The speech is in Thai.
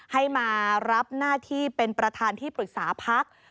ให้มารับหน้าที่เป็นประธานที่ปรึกษาพัก